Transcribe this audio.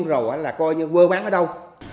rồi là coi như vô bán ở đâu